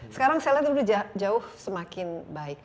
sekarang saya lihat sudah jauh semakin baik